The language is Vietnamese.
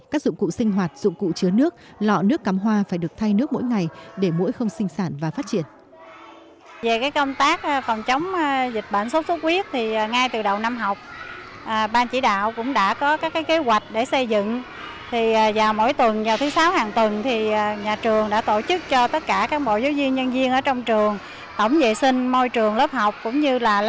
các dụng cụ sinh hoạt dụng cụ chứa nước lọ nước cắm hoa phải được thay nước mỗi ngày để mũi không sinh sản và phát triển